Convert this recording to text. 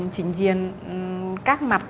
chính diện các mặt